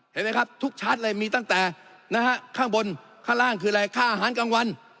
เห็นไหมครับทุกชาร์จเลยมีตั้งแต่นะฮะข้างบนข้างล่างคืออะไรค่าอาหารกลางวัน